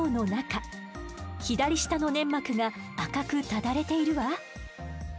左下の粘膜が赤くただれているわ。